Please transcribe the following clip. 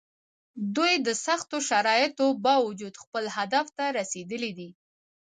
دوی د سختو شرایطو باوجود خپل هدف ته رسېدلي دي.